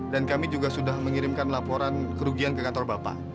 dan kami juga sudah mengirimkan laporan kerugian ke kantor bapak